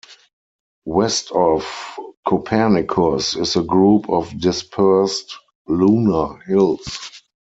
West of Copernicus is a group of dispersed lunar hills.